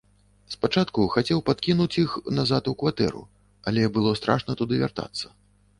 Спачатку хацеў падкінуць іх назад у кватэру, але было страшна туды вяртацца.